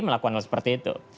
melakukan hal seperti itu